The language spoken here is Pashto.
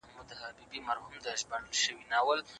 مصرف کوونکي د ښه کیفیت غوښتونکي دي.